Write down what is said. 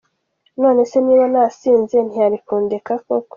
None se niba nasinze ntiyari kundeka koko ?”.